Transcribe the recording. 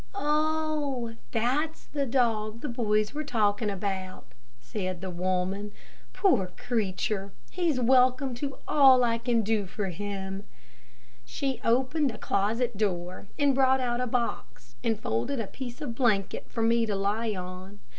"Oh, that's the dog the boys were talking about," said the woman. "Poor creature, he's welcome to all I can do for him." She opened a closet door, and brought out a box, and folded a piece of blanket for me to lie on.